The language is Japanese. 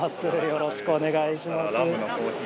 よろしくお願いします